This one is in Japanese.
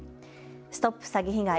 ＳＴＯＰ詐欺被害！